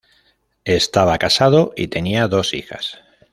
Estaba casado y tenía dos hijas.